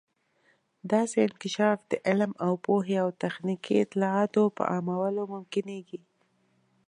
داسې انکشاف د علم او پوهې او تخنیکي اطلاعاتو په عامولو ممکنیږي.